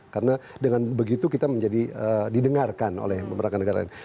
karena dengan begitu kita menjadi didengarkan oleh pemeragangan